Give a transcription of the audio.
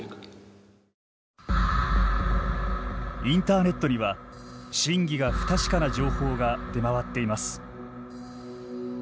インターネットには真偽が不確かな情報が出回っています。